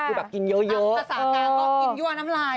ภาษาสักการมันก็กินยั่วน้ำลาย